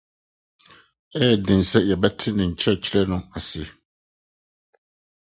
Ɛyɛ den sɛ yɛbɛte ne nkyerɛkyerɛ no ase.